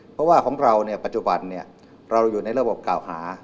เพราะว่าของเราปัจจุบันเราอยู่ในระบบกล่าวหา